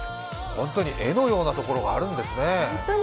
本当に絵のようなところがあるんですね。